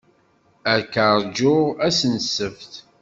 Ad k-ṛjuɣ ass n ssebt.